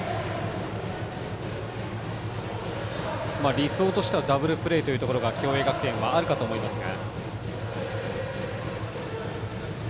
理想としてはダブルプレーが共栄学園はあるかと思いますが。